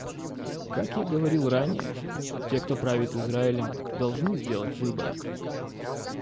Как я говорил ранее, те, кто правит Израилем, должны сделать выбор.